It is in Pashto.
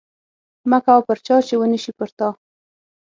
مه کوه پر چا چې ونشي پر تا